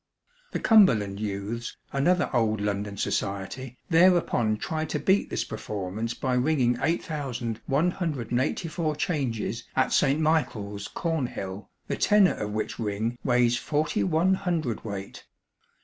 The Cumberland Youths, another old London society, thereupon tried to beat this performance by ringing 8184 changes at St Michael's, Cornhill, the tenor of which ring weighs forty one hundredweight.